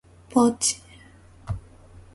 ポーチ、